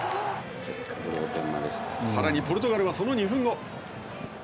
さらにポルトガルはその２分後。